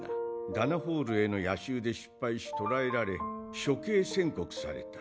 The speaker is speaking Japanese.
ダナフォールへの夜襲で失敗し捕らえられ処刑宣告された。